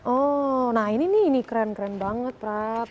oh nah ini nih keren banget prat